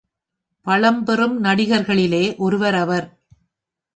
பழம்பெறும் நடிகர்களிலே ஒருவர் அவர்.